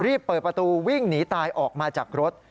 รีบเปิดประตูวิ่งหนีตายออกมาจากรถ